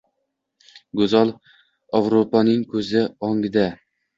Go’zal Ovruponing ko’zi o’ngida